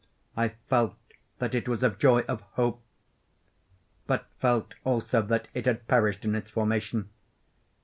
I felt that it was of joy—of hope; but felt also that it had perished in its formation.